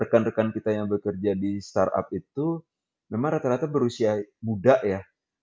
rekan rekan kita yang bekerja di startup itu memang rata rata berusia muda ya